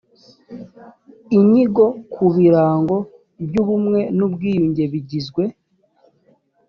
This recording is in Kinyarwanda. inyigo ku birango by ubumwe n ubwiyunge bigizwe